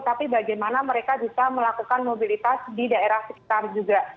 tapi bagaimana mereka bisa melakukan mobilitas di daerah sekitar juga